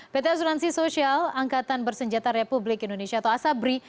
pt asuransi sosial angkatan bersenjata republik indonesia atau asabri